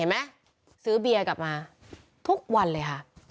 เห็นมั้ยซื้อเบียกลับมาทุกวันเลยค่ะ